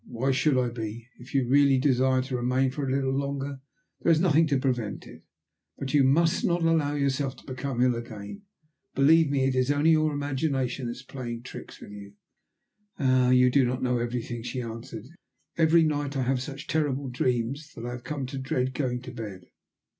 "Why should I be? If you really desire to remain for a little longer there is nothing to prevent it. But you must not allow yourself to become ill again. Believe me it is only your imagination that is playing tricks with you." "Ah! you do not know everything," she answered. "Every night I have such terrible dreams that I have come to dread going to bed."